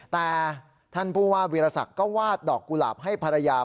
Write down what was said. แต่ท่านผู้ว่าวิรสักก็วาดดอกกุหลาบให้ภรรยา